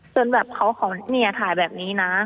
แบบเขาขอเนี่ยถ่ายแบบนี้นะ